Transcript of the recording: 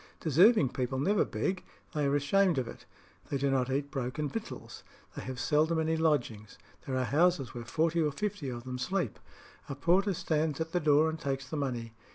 Deserving people never beg: they are ashamed of it. They do not eat broken victuals. They have seldom any lodgings. There are houses where forty or fifty of them sleep. A porter stands at the door and takes the money.